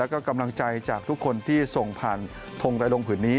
แล้วก็กำลังใจจากทุกคนที่ส่งผ่านทงระดงผืนนี้